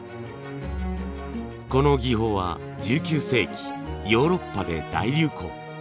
この技法は１９世紀ヨーロッパで大流行。